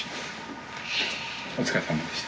お疲れさまでした。